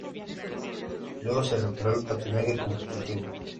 Luego se retiró del patinaje competitivo.